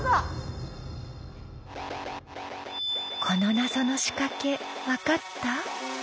この謎の仕掛け分かった？